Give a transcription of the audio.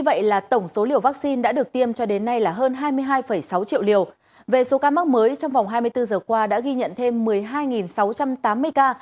về số ca mắc mới trong vòng hai mươi bốn giờ qua đã ghi nhận thêm một mươi hai sáu trăm tám mươi ca